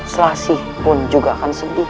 selasi pun juga akan sedih